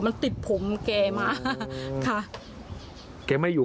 มันติดผมแกมาค่ะ